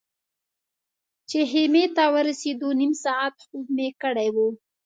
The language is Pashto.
چې خیمې ته ورسېدو نیم ساعت خوب مې کړی و.